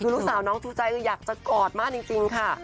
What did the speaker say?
คือลูกสาวน้องชูใจอยากจะกอดมากจริงค่ะ